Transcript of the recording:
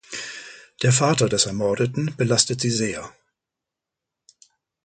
Der Vater des Ermordeten belastet sie sehr.